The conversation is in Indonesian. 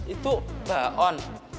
itu mbak on